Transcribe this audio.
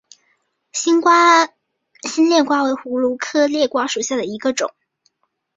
新裂瓜为葫芦科裂瓜属下的一个种。